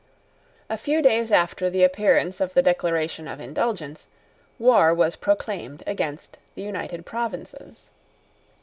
A few days after the appearance of the Declaration of Indulgence, war was proclaimed against the United Provinces.